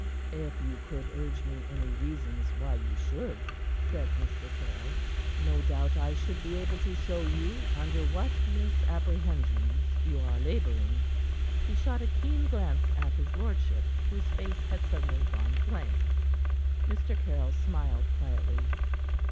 "If you could urge me any reasons why you should," said Mr. Caryll, "no doubt I should be able to show you under what misapprehensions you are laboring." He shot a keen glance at his lordship, whose face had suddenly gone blank. Mr. Caryll smiled quietly.